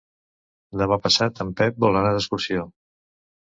Demà passat en Pep vol anar d'excursió.